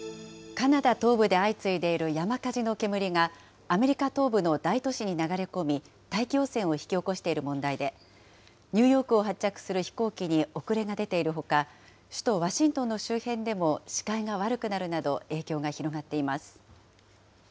カナダ東部で相次いでいる山火事の煙が、アメリカ東部の大都市に流れ込み、大気汚染を引き起こしている問題で、ニューヨークを発着する飛行機に遅れが出ているほか、首都ワシントンの周辺でも視界が悪くなるなど、影響が広がっています。